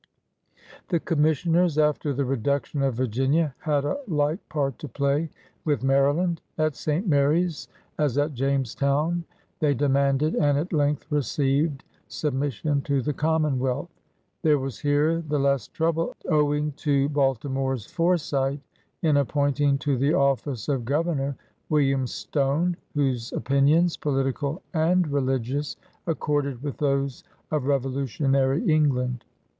The Commissioners, after the reduction of Vir ginia, had a like part to play with Maryland. At St. Mary's, as at Jamestown, they demanded and at length received submission to the Common wealth. There was here the less trouble owing to Baltimore's foresight in appointing to the office of Governor William Stone, whose opinions, political and religious, accorded with those of revolutionary England.